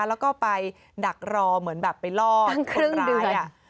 แล้วก็ไปดักรอเหมือนแบบไปรอดคนร้าย